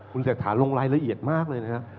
คุณเศรษฐาลงรายละเอียดมากเลยนะครับ